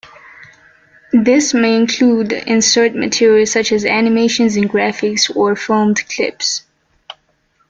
This may include insert material such as animations and graphics or filmed clips.